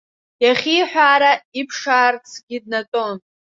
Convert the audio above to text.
Иахиҳәаара иԥшаарцгьы днатәон.